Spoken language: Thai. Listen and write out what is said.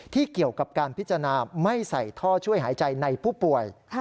เกี่ยวกับการพิจารณาไม่ใส่ท่อช่วยหายใจในผู้ป่วย